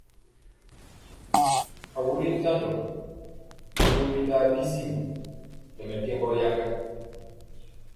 A wuli ntandɔ to windaa bisim nɛ mɛkembɔ yaŋga.